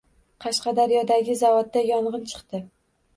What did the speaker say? Qashqadaryodagi zavodda yongʻin chiqdi